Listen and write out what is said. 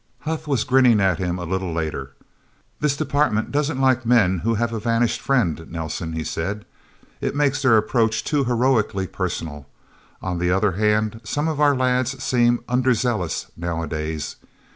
Huth was grinning at him a little later. "This department doesn't like men who have a vanished friend, Nelsen," he said. "It makes their approach too heroically personal. On the other hand, some of our lads seem underzealous, nowadays...